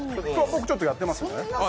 僕、ちょっとやってますね。